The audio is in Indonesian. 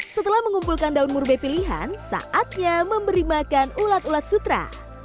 setelah mengumpulkan daun murbe pilihan saatnya memberi makan ulat ulat sutra